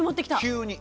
急に。